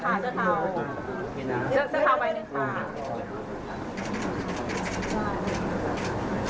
ขอบคุณพี่ด้วยนะครับ